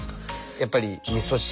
やっぱりみそ汁かな。